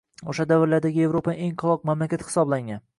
Oʻsha davrlarda Yevropaning eng qoloq mamlakati hisoblangan